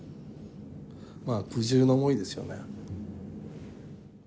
まあ苦渋の思いですよね。